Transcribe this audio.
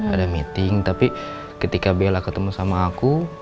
ada meeting tapi ketika bella ketemu sama aku